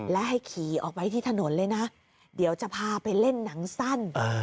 และให้ขี่ออกไปที่ถนนเลยนะเดี๋ยวจะพาไปเล่นหนังสั้น